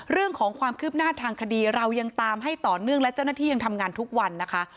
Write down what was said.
เรื่องของความคืบหน้าทางคดีเรายังตามให้ต่อเนื่องและเจ้าหน้าที่ยังทำงานทุกวันนะคะ